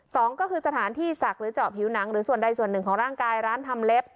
สองก็คือสถานที่ศักดิ์หรือเจาะผิวหนังหรือส่วนใดส่วนหนึ่งของร่างกายร้านทำเล็บ